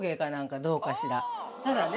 ただね